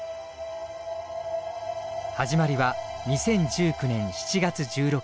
始まりは２０１９年７月１６日。